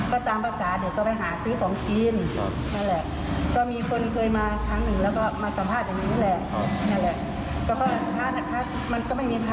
ก็ตามภาษาเด็กก็ไปหาซื้อของกินก็มีคนเคยมาทั้งหนึ่งแล้วมาสัมภาษณ์อย่างนี้เลย